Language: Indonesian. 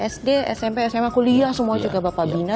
sd smp sma kuliah semua juga bapak bina